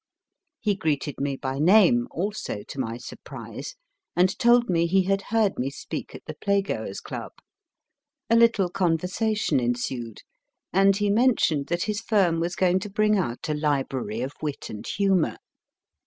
He greeted me by name, also to my surprise, and told me he had heard me speak at the Playgoers Club. A little conversation ensued, and he mentioned that his firm was going to bring out a Library of Wit and Humour.